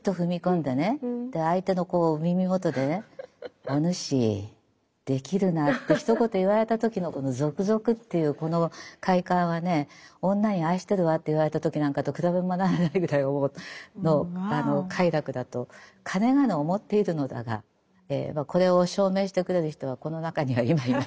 相手の耳元でね「お主できるな」ってひと言言われた時のゾクゾクっていうこの快感はね女に「愛してるわ」って言われた時なんかと比べ物にならないぐらいの快楽だとかねがね思っているのだがこれを証明してくれる人はこの中には今いないので残念ですが。